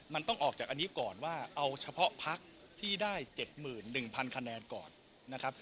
มันต้องออกจากอันนี้ก่อนว่าเอาเฉพาะพักที่ได้๗๑๐๐คะแนนก่อนนะครับ